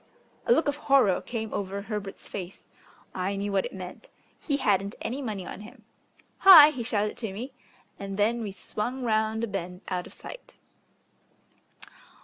A look of horror came over Herbert's face. I knew what it meant. He hadn't any money on him. "Hi!" he shouted to me, and then we swung round a bend out of sight....